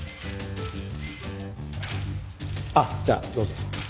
あっじゃあどうぞ。